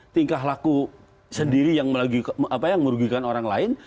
tingkah laku sendiri yang merugikan orang lain